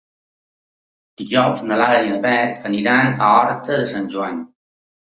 Dijous na Lara i na Beth aniran a Horta de Sant Joan.